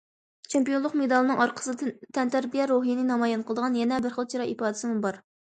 چېمپىيونلۇق مېدالىنىڭ ئارقىسىدا تەنتەربىيە روھىنى نامايان قىلىدىغان يەنە بىر خىل چىراي ئىپادىسىمۇ بار.